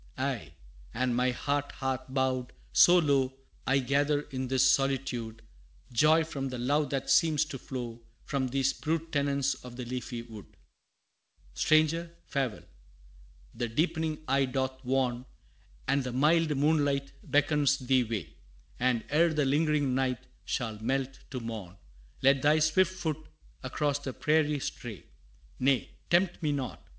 Aye, and my heart hath bowed so low, I gather in this solitude, Joy from the love that seems to flow From these brute tenants of the leafy wood. [Illustration: The Farewell] XVII. "Stranger, farewell! The deepening eve doth warn, And the mild moonlight beckons thee away; And, ere the lingering night shall melt to morn, Let thy swift foot across the prairie stray. Nay, tempt me not!